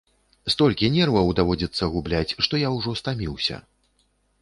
Столькі нерваў даводзіцца губляць, што я ўжо стаміўся.